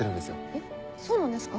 えっそうなんですか？